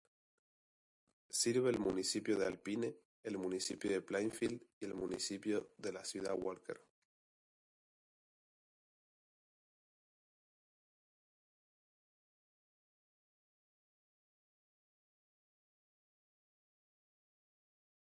Sirve el Municipio de Alpine, el Municipio de Plainfield, y la Ciudad de Walker.